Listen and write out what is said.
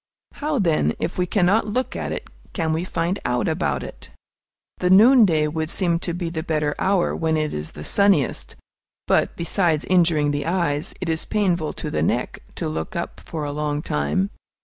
How, then, if we cannot look at it, can we find out about it? The noonday would seem to be the better hour, when it is the sunniest; but, besides injuring the eyes, it is painful to the neck to look up for a long time.